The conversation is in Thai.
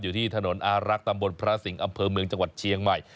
อยู่ที่ถนนอารักษ์ตำบลพระสิงห์อำเภอเมืองจังหวัดเชียงใหม่